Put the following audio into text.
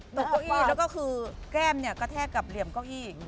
เหลือเก้าอี้แล้วก็คือแก้มกระแทกกับเหลี่ยมเก้าอี้